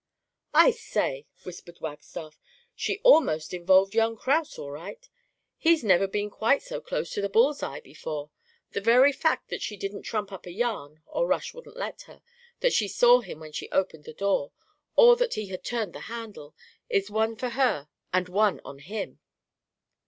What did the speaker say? "I say," whispered Wagstaff, "she almost involved young Kraus, all right. He's never been quite so close to the bull's eye before. The very fact that she didn't trump up a yarn or Rush wouldn't let her that she saw him when she opened the door, or that he had turned the handle, is one for her and one on him."